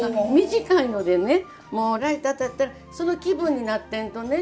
短いのでねもうライト当たったらその気分になってんとね